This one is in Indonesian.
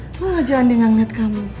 tuh aja andi gak ngeliat kamu